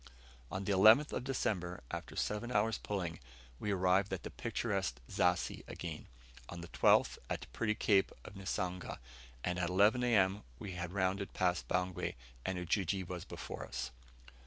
On the 11th of December, after seven hours' pulling, we arrived at picturesque Zassi again; on the 12th, at the pretty cove of Niasanga; and at 11 A.M. we had rounded past Bangwe, and Ujiji was before us.